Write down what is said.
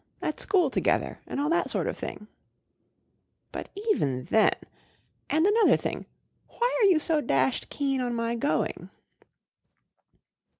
— at school together, and all that sort of thing ?" "But even then —and another thing. Why are you so clashed keen on my going